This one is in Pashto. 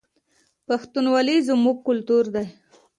پښتونولي زموږ کلتور دی